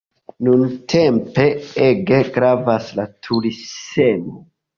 Nuntempe ege gravas la turismo.